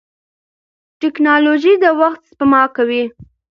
ټیکنالوژي د وخت سپما کوي.